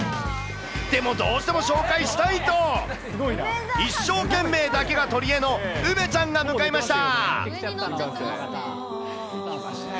でもどうしても紹介したいと、一生懸命だけがとりえの梅ちゃんが向かいました。